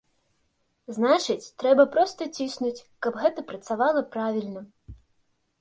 Значыць, трэба проста ціснуць, каб гэта працавала правільна.